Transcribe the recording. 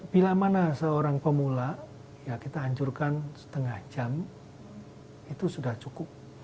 bila mana seorang pemula ya kita hancurkan setengah jam itu sudah cukup